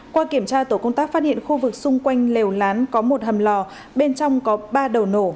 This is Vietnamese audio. qua kiểm tra tổ công tác phát hiện khu vực xung quanh lều lán có một hầm lò bên trong có ba đầu nổ